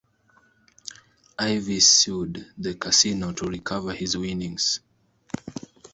Ivey sued the casino to recover his winnings.